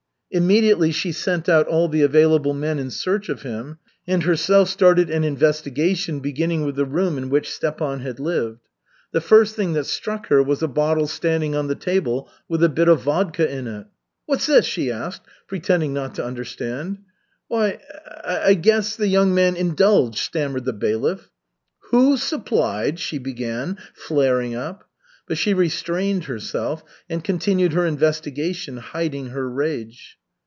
Immediately she sent out all the available men in search of him, and herself started an investigation beginning with the room in which Stepan had lived. The first thing that struck her was a bottle standing on the table, with a bit of vodka in it. "What's this?" she asked, pretending not to understand. "Why, I guess the young master indulged," stammered the bailiff. "Who supplied ?" she began, flaring up. But she restrained herself, and continued her investigation, hiding her rage.